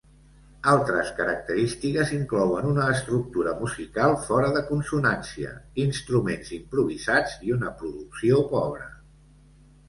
Altres característiques inclouen una estructura musical fora de consonància, instruments improvisats i una producció pobra.